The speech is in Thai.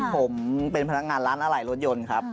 ผมเป็นพนักงานร้านอะไรรถยนต์ครับ